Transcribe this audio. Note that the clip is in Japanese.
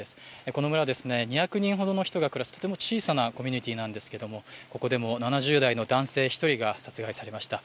この村、２００人ほどの人が暮らすとても小さなコミュニティーなんですけれどもここでも７０代の男性１人が殺害されました。